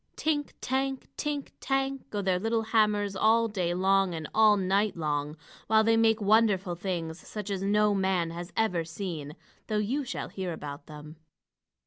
Tink tank! tink tank! go their little hammers all day long and all night long, while they make wonderful things such as no man has ever seen, though you shall hear about them.